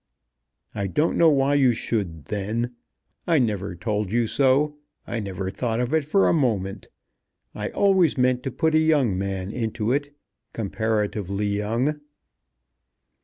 "I don't know why you should, then. I never told you so. I never thought of it for a moment. I always meant to put a young man into it; comparatively young."